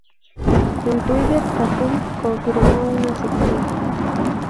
En Twitter, Tatum confirmó una secuela.